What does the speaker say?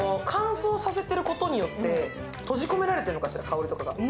乾燥させていることによって、閉じ込められているのかしら、香りとか。